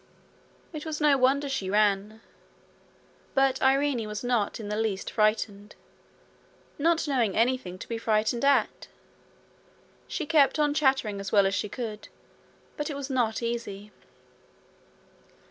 It was no wonder she ran. But Irene was not in the least frightened, not knowing anything to be frightened at. She kept on chattering as well as she could, but it was not easy.